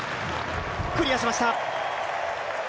クリアしました。